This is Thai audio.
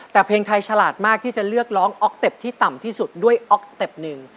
แต่เพลงไทยฉลาดมากที่จะเลือกร้องออกเต็ปที่ต่ำที่สุดด้วยออกสเต็ปหนึ่ง